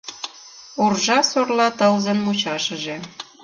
Уржа-сорла тылзын мучашыже.